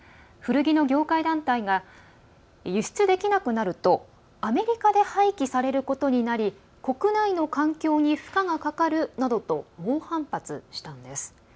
古着の業界団体が輸出できなくなるとアメリカで廃棄されることになり国内の環境に負荷がかかるなどと猛反発したんです。